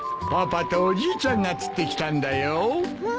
パパとおじいちゃんが釣ってきたんだよ。